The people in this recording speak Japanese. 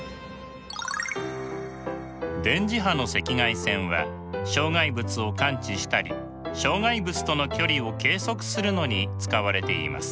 電磁波の赤外線は障害物を感知したり障害物との距離を計測するのに使われています。